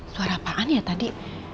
suara apaan ya tadi